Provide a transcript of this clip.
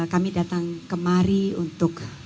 kami datang kemari untuk